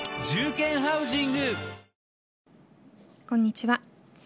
こんにちは。